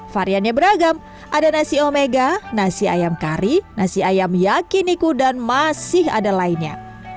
variannya beragam ada nasi omega nasi ayam kari nasi ayam yakiniku dan masih ada lainnya